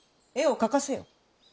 絵を描かせよ。